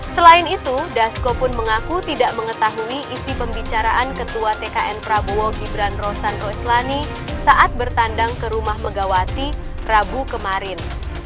selain itu dasko pun mengaku tidak mengetahui isi pembicaraan ketua tkn prabowo gibran rosan roislani saat bertandang ke rumah megawati rabu kemarin